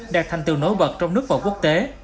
đạt thành tiêu nổi bật trong nước và quốc tế